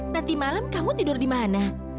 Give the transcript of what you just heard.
nanti malam kamu tidur di mana